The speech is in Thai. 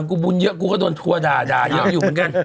กูบุญเยอะกูก็โดนทัวร์ด่าเยอะอยู่เหมือนกัน